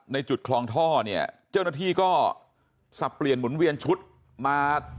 ในจุดคลองท่อเนี่ยเจ้าหน้าที่ก็สับเปลี่ยนหมุนเวียนชุดมา